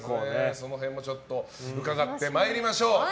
その辺も伺ってまいりましょう。